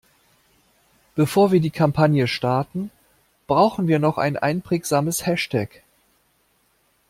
Bevor wir die Kampagne starten, brauchen wir noch ein einprägsames Hashtag.